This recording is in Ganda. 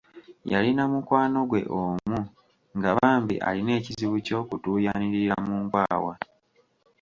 Yalina mukwano gwe omu nga bambi alina ekizibu ky'okutuuyanirira mu nkwawa.